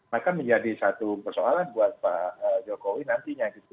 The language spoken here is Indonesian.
maka menjadi satu persoalan buat pak jokowi nantinya gitu